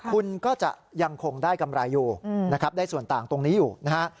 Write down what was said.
คุณก็จะยังคงได้กำไรอยู่นะครับได้ส่วนต่างตรงนี้อยู่นะฮะ